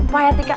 wah ya tika